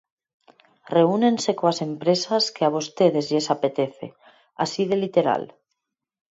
Reúnense coas empresas que a vostedes lles apetece, así de literal.